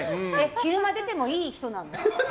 昼間出てもいい人なの？